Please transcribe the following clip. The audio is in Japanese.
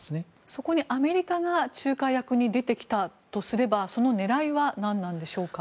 そこにアメリカが仲介役に出てきたとすればその狙いはなんなんでしょうか。